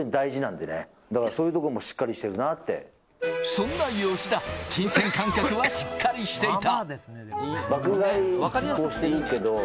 そんな吉田、金銭感覚はしっかりしていた。